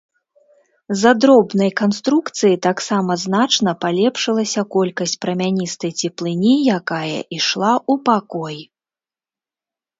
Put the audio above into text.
З-за дробнай канструкцыі таксама значна палепшылася колькасць прамяністай цеплыні, якая ішла ў пакой.